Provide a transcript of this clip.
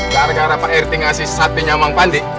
gara gara pak rt ngasih sate nyamang panti